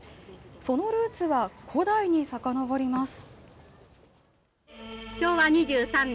そのルーツは古代にさかのぼります。